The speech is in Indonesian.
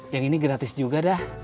yang ini gratis juga dah